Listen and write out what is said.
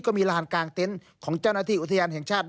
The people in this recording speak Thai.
ลานกลางเต็นต์ของเจ้าหน้าที่อุทยานแห่งชาติ